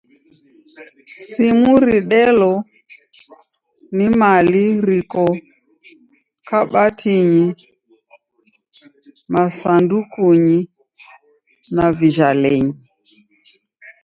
Simu ridelo ni mali riko kabatinyi, masandukunyi, na vijalenyi.